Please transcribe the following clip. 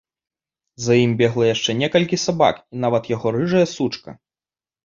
За ім бегла яшчэ некалькі сабак і нават яго рыжая сучка.